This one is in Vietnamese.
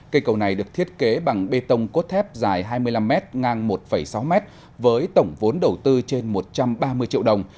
cây cầu này được thiết kế bằng bê tông cốt thép dài hai mươi năm m ngang một sáu mét với tổng vốn đầu tư trên một trăm ba mươi triệu đồng